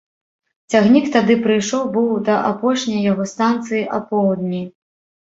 Цягнік тады прыйшоў быў да апошняй яго станцыі апоўдні.